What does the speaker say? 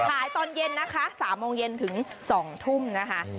ตอนเย็นนะคะ๓โมงเย็นถึง๒ทุ่มนะคะ